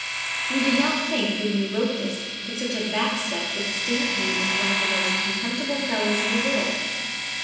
"You did not think when you wrote this that such a back step would stamp me as one of the most contemptible fellows in the world.